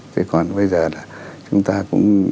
thế còn bây giờ là chúng ta cũng